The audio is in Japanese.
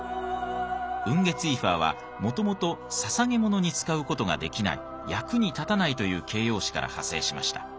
「Ｕｎｇｅｚｉｅｆｅｒ」はもともと「ささげものに使う事ができない」「役に立たない」という形容詞から派生しました。